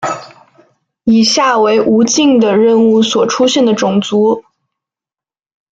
以下为无尽的任务所出现的种族。